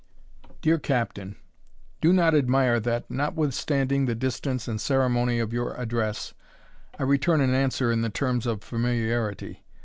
DEAR CAPTAIN, Do not admire, that, notwithstanding the distance and ceremony of your address, I return an answer in the terms of familiarity.